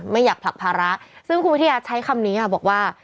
ไม่อยากผลักภาระซึ่งคุณวิทยาใช้คำนี้ค่ะบอกว่า